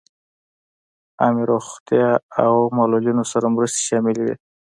عام روغتیا او معلولینو سره مرستې شاملې وې.